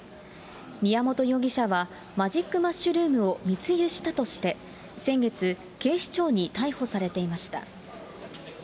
宮本容疑者は、マジックマッシュルームを密輸したとして、先月、警視庁に逮捕されていました。